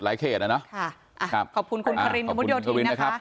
ก็เป็นมีมาจากหลายหลายเหตุนะครับ